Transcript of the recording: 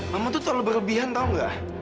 mama tuh tak boleh berlebihan tau gak